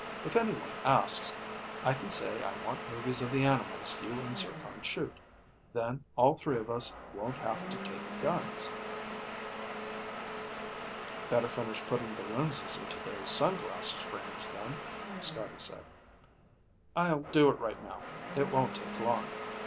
If anyone asks, I can say I want movies of the animals you and Zircon shoot. Then all three of us won't have to take guns." "Better finish putting the lenses into those sunglasses frames then," Scotty said. "I'll do it right now. It won't take long."